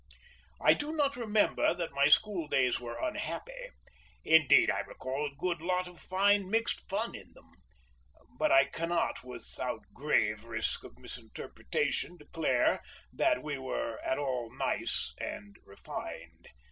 I do not remember that my school days were unhappy—indeed I recall a good lot of fine mixed fun in them—but I cannot without grave risk of misinterpretation declare that we were at all nice and refined.